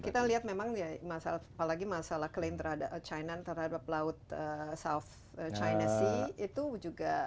kita lihat memang ya apalagi masalah klaim terhadap china terhadap laut south china sea itu juga